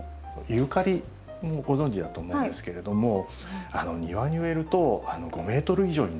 ユーカリもご存じだと思うんですけれども庭に植えると５ｍ以上になってしまう。